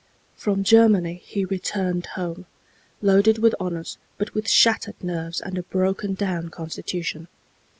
From Germany he returned home, loaded with honors, but with shattered nerves and a broken down constitution.